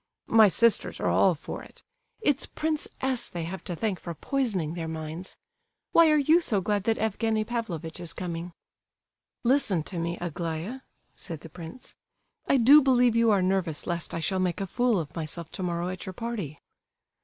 My sisters are all for it. It's Prince S. they have to thank for poisoning their minds. Why are you so glad that Evgenie Pavlovitch is coming?" "Listen to me, Aglaya," said the prince, "I do believe you are nervous lest I shall make a fool of myself tomorrow at your party?"